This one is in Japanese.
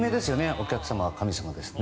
お客様は神様ですって。